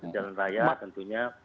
jalan raya tentunya